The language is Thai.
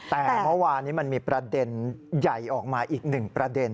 แต่เมื่อวานนี้มันมีประเด็นใหญ่ออกมาอีกหนึ่งประเด็น